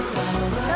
di hati umur sama